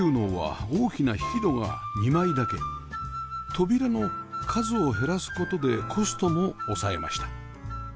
扉の数を減らす事でコストも抑えました